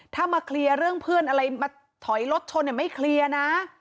ถ้ามาเคลียร์เรื่องเพื่อนอะไรมาถอยรถชนไม่เคลียร์นะ